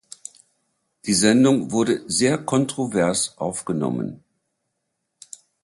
Die Sendung wurde sehr kontrovers aufgenommen.